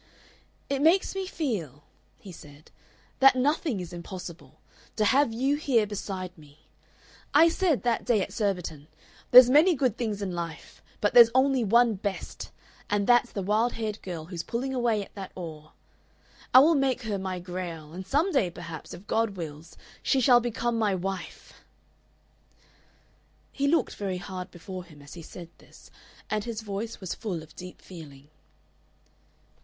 "It makes me feel," he said, "that nothing is impossible to have you here beside me. I said, that day at Surbiton, 'There's many good things in life, but there's only one best, and that's the wild haired girl who's pulling away at that oar. I will make her my Grail, and some day, perhaps, if God wills, she shall become my wife!'" He looked very hard before him as he said this, and his voice was full of deep feeling.